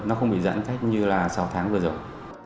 nó không bị giãn cách như là sáu tháng vừa rồi